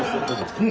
うん。